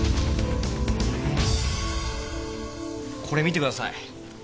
これ見てください。